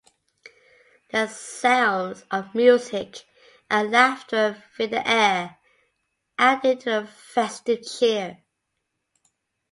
The sounds of music and laughter fill the air, adding to the festive cheer.